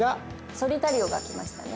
ソリタリオがきましたね。